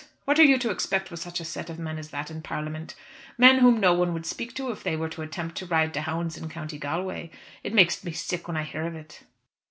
What are you to expect with such a set of men as that in Parliament, men whom no one would speak to if they were to attempt to ride to hounds in County Galway. It makes me sick when I hear of it."